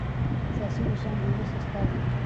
سیاسي مشران د ولس استازي دي